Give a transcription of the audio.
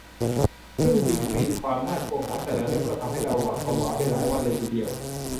ซึ่งดีกรีความน่ากลัวของแต่ละเรื่องก็ทำให้เราหวาดผวาไปหลายวันเลยทีเดียว